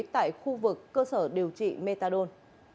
tại khu vực cơ sở điều trị metadon